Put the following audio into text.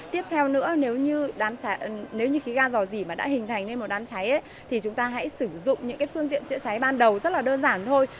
tiếp theo nữa nếu như khí ga rò rỉ mà đã hình thành nên một đám cháy thì chúng ta hãy sử dụng những cái phương tiện chữa cháy ban đầu rất là đơn giản thôi